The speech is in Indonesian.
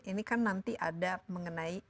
ini kan nanti ada mengenai